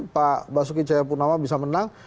pak basuki cahaya purnama bisa menang